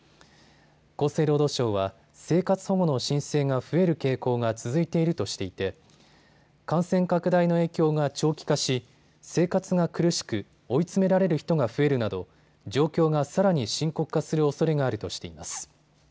厚生労働省は生活保護の申請が増える傾向が続いているとしていて感染拡大の影響が長期化し生活が苦しく追い詰められる人が増えるなど状況がさらに深刻化するおそれがあるとしています。